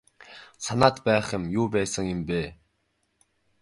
Санаад байх юу байсан юм бэ.